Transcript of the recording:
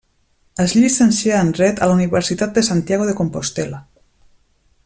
Es llicencià en dret a la Universitat de Santiago de Compostel·la.